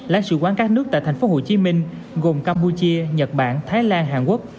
lãnh sự quán các nước tại tp hcm gồm campuchia nhật bản thái lan hàn quốc